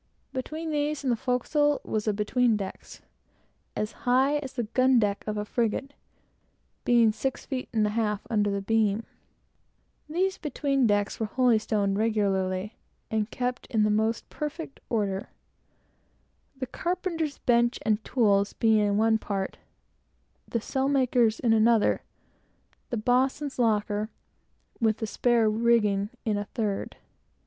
Between these and the forecastle was the "between decks," as high as the gun deck of a frigate; being six feet and a half, under the beams. These between decks were holystoned regularly, and kept in the most perfect order; the carpenter's bench and tools being in one part, the sailmaker's in another, and boatswain's locker, with the spare rigging, in a third.